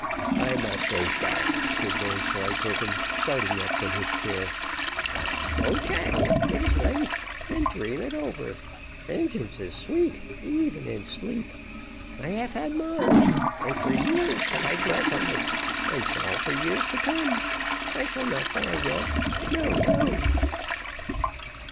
"I must go back," said Vanslyperken, starting up from his chair. "Go, child, it is late and dream it over. Vengeance is sweet, even in sleep. I have had mine and for years have I dwelt on it and shall for years to come. I shall not die yet no, no."